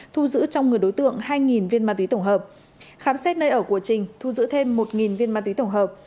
thu giữ trong người đối tượng hai viên ma túy tổng hợp khám xét nơi ở của trình thu giữ thêm một viên ma túy tổng hợp